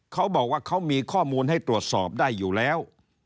เขาบอกว่าเขามีข้อมูลให้ตรวจสอบได้อยู่แล้ว